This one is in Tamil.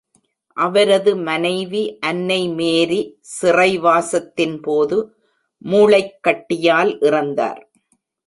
அவரது மனைவி அன்னை மேரி சிறைவாசத்தின் போது மூளைக் கட்டியால் இறந்தார்.